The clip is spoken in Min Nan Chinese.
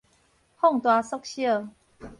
放大縮小